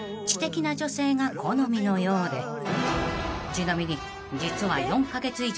［ちなみに実は］